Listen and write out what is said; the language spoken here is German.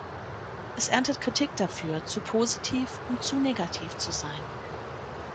Es erntet Kritik dafür, „zu positiv“ und „zu negativ“ zu sein.